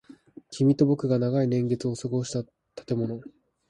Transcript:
君と僕が長い年月を過ごした建物。